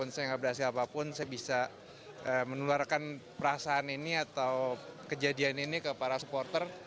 siapapun saya bisa menularkan perasaan ini atau kejadian ini ke para supporter